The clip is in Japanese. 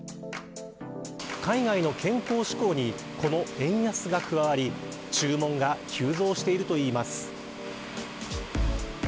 海外の健康志向にこの円安が加わり注文が急増しているといいます。